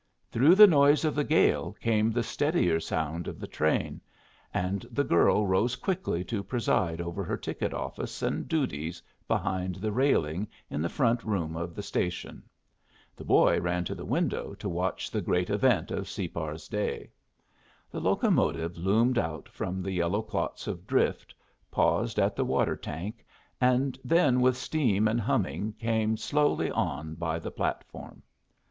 Through the noise of the gale came the steadier sound of the train, and the girl rose quickly to preside over her ticket office and duties behind the railing in the front room of the station. The boy ran to the window to watch the great event of Separ's day. The locomotive loomed out from the yellow clots of drift, paused at the water tank, and then with steam and humming came slowly on by the platform.